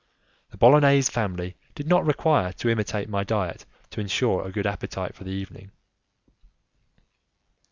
The Bolognese family did not require to imitate my diet to insure a good appetite for the evening.